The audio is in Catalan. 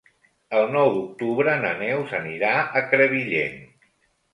El nou d'octubre na Neus anirà a Crevillent.